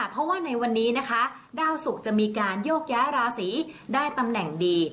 เพราะว่าในวันนี้นะคะดาวสุกจะมีการโยกย้ายราศีได้ตำแหน่งดี